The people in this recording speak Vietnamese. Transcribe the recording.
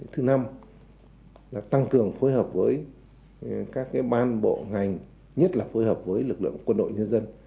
thứ năm là tăng cường phối hợp với các ban bộ ngành nhất là phối hợp với lực lượng quân đội nhân dân